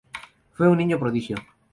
Fue un niño prodigio.